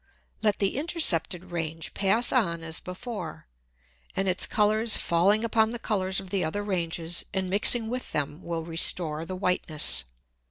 Let the intercepted Range pass on as before, and its Colours falling upon the Colours of the other Ranges, and mixing with them, will restore the Whiteness.